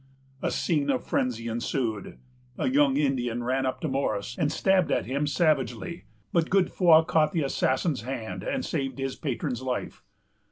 A scene of frenzy ensued. A young Indian ran up to Morris, and stabbed at him savagely; but Godefroy caught the assassin's hand, and saved his patron's life.